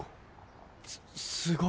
すっすごい。